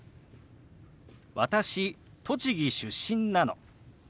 「私栃木出身なの」。